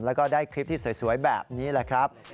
แล้วก็ได้คลิปที่สวยแบบนี้แหละครับ